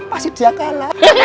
pasti dia kalah